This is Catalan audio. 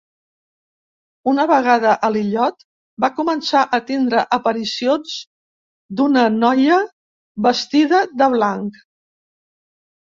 Una vegada a l'illot, va començar a tindre aparicions d'una noia vestida de blanc.